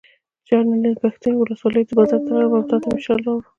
جان مې نن پښتین ولسوالۍ بازار ته لاړم او تاته مې شال راوړل.